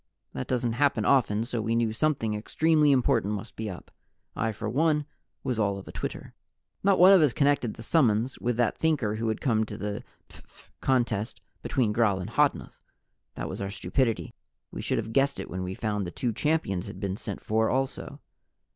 That doesn't happen often, so we knew something extremely important must be up. I for one was all of a twitter. Not one of us connected the summons with that Thinker who had come to the phph contest between Gral and Hodnuth. That was our stupidity. We should have guessed it when we found the two champions had been sent for also.